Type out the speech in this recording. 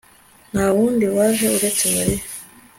nta wundi waje uretse mariya